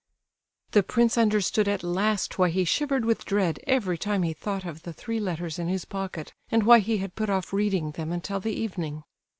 X. The prince understood at last why he shivered with dread every time he thought of the three letters in his pocket, and why he had put off reading them until the evening.